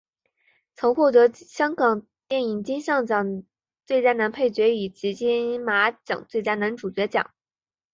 曾获得香港电影金像奖最佳男配角以及金马奖最佳男主角奖。